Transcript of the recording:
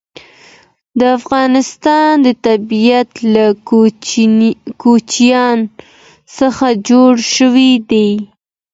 د افغانستان طبیعت له کوچیان څخه جوړ شوی دی.